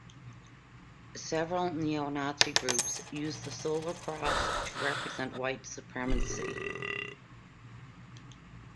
Several neo-Nazi groups use the solar cross to represent white supremacy.